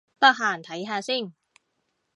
得閒睇下先